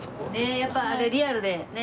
やっぱあれリアルでね。